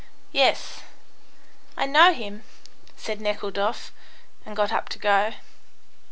"Yes." "I know him," said Nekhludoff, and got up to go.